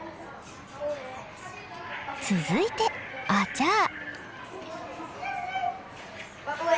続いてアチャー。